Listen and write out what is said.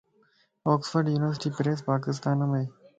اوڪسفورڊ يونيورسٽي پريس پاڪستان مَ ائي.